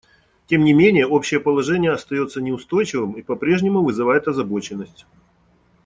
Тем не менее, общее положение остается неустойчивым и по-прежнему вызывает озабоченность.